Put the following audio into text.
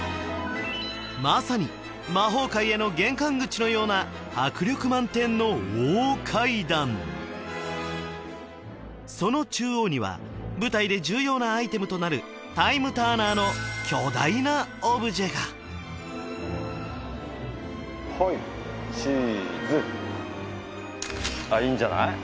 まさに魔法界への玄関口のような迫力満点の大階段その中央には舞台で重要なアイテムとなるタイムターナーの巨大なオブジェがはいチーズあっいいんじゃない？